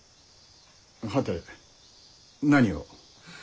はて何を？